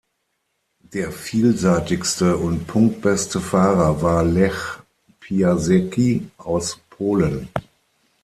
Der vielseitigste und punktbeste Fahrer war Lech Piasecki aus Polen.